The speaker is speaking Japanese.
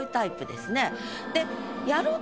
で。